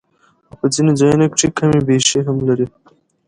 او پۀ ځنې ځايونو کښې کمی بېشی هم لري